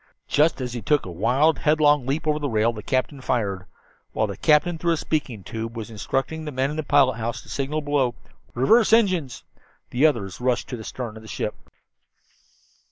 Just as he took a wild, headlong leap over the rail the captain fired. While the captain, through a speaking tube, was instructing the man in the pilot house to signal below "Reverse engines," the others rushed to the stern of the ship.